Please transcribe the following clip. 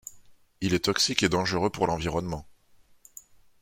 Il est toxique et dangereux pour l'environnement.